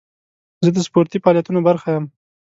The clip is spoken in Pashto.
زه د سپورتي فعالیتونو برخه یم.